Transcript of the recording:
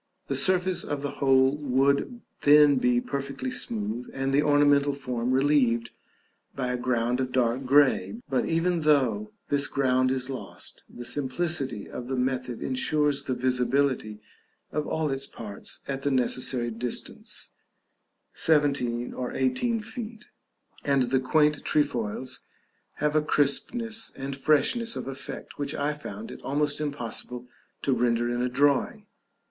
The surface of the whole would then be perfectly smooth, and the ornamental form relieved by a ground of dark grey; but, even though this ground is lost, the simplicity of the method insures the visibility of all its parts at the necessary distance (17 or 18 feet), and the quaint trefoils have a crispness and freshness of effect which I found it almost impossible to render in a drawing.